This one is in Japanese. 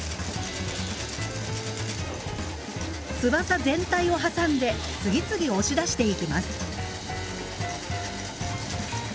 翼全体を挟んで次々押し出していきます。